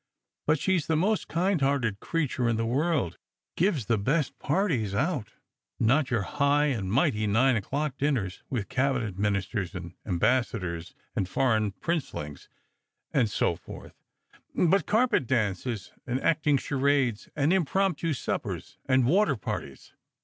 But she's the most kind hearted creature in the ^YorId ; gives the best parties out — not your high and mighty nine o'clock dinners, with cabinet ministers and ambassadors and foreign princelings, and so forth, but carpet dances, and acting charades, and impromptu suppers, and water parties.